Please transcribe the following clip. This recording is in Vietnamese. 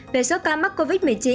về số ca mắc covid một mươi chín